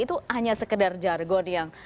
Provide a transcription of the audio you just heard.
itu hanya sekedar jargon yang